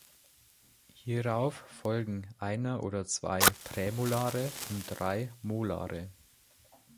Hierauf folgen einer oder zwei Prämolare und drei Molare.